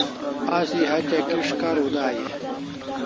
Asi hatya kis' kariu dai e?